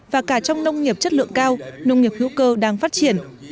và cả trong nông nghiệp chất lượng cao nông nghiệp hữu cơ đang phát triển